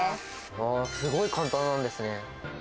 あー、すごい簡単なんですね。